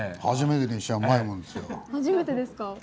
初めてですか。